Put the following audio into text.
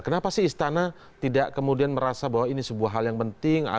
kenapa sih istana tidak kemudian merasa bahwa ini sebuah hal yang penting